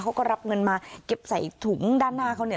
เขาก็รับเงินมาเก็บใส่ถุงด้านหน้าเขาเนี่ย